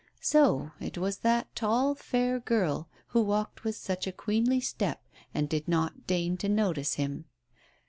So it was that tall, fair girl who walked with such a queenly step, and did not deign to notice him.